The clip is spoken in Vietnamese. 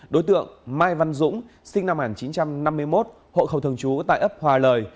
đối tượng mai văn dũng sinh năm một nghìn chín trăm năm mươi một hộ khẩu thường trú tại ấp hòa lời